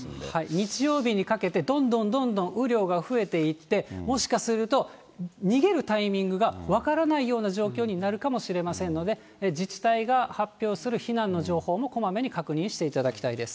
日曜日にかけて、どんどんどんどん雨量が増えていって、もしかすると逃げるタイミングが分からないような状況になるかもしれませんので、自治体が発表する避難の情報もこまめに確認していただきたいです。